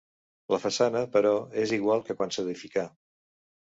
La façana, però, és igual que quan s'edificà.